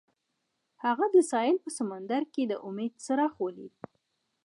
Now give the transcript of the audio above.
هغه د ساحل په سمندر کې د امید څراغ ولید.